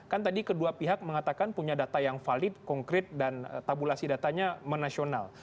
kan tadi kedua pihak mengatakan punya data yang valid konkret dan tabulasi datanya menasional